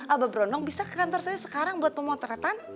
abah bronong bisa ke kantor saya sekarang buat pemotretan